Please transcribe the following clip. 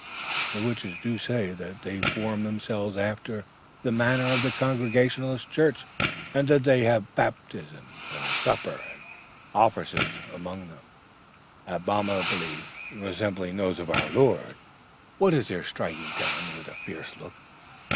The witches do say that they form themselves after the manner of Congregational Churches, and that they have baptism and a supper and officers among them, abominably resembling those of our Lord. What is their striking down with a fierce look?